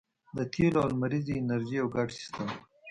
د تیلو او لمریزې انرژۍ یو ګډ سیستم